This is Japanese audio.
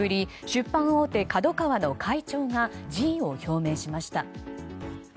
出版大手ＫＡＤＯＫＡＷＡの会長が辞意を表明しました。